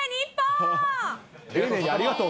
丁寧にありがとう。